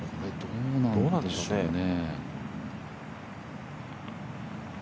どうなんでしょうね。